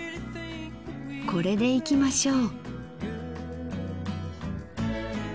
これでいきましょう。